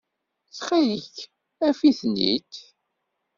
Ttxil-k, af-iten-id.